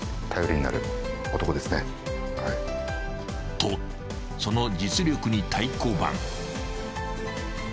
［とその実力に太鼓判］